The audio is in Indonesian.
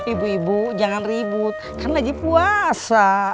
ibu ibu jangan ribut kan lagi puasa